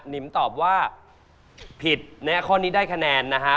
นิมตอบว่าผิดแน่ข้อนี้ได้คะแนนนะฮะ